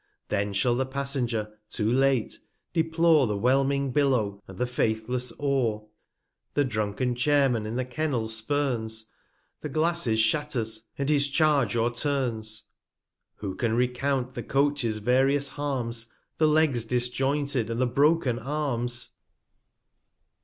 Then shall the Passenger, too late, deplore 395 The whelming Billow, and the faithless Oar; The drunken Chairman in the Kennel spurns, The Glasses shatters, and his Charge o'erturns. Who can recount the Coach's various Harms ; The Legs disjointed, and the broken Arms